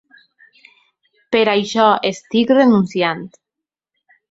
Per això estic renunciant.